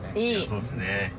そうっすね